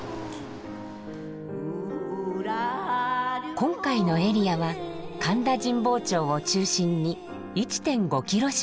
今回のエリアは神田神保町を中心に１．５キロ四方。